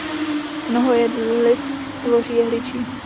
Mnoho jehlic tvoří jehličí.